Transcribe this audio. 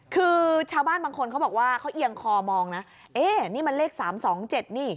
คือชาวบ้านบางคนเขาบอกว่าเขาเอียงคอมองนะเอ๊ะนี่มันเลข๓๒๗นี่